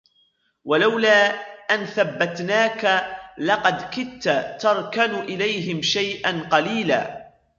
وَلَوْلَا أَنْ ثَبَّتْنَاكَ لَقَدْ كِدْتَ تَرْكَنُ إِلَيْهِمْ شَيْئًا قَلِيلًا